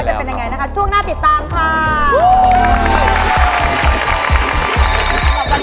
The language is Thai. จะเป็นยังไงนะคะช่วงหน้าติดตามค่ะ